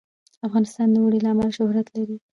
افغانستان د اوړي له امله شهرت لري.